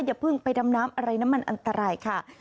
อย่าเพิ่งไปดำน้ำอะไรน้ำมันอันตรายค่ะ